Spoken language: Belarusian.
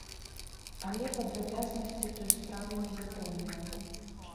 Але падрабязнасці той справы невядомыя.